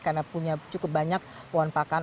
karena punya cukup banyak wampakan